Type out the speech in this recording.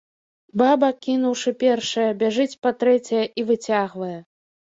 Баба, кінуўшы першае, бяжыць па трэцяе і выцягвае.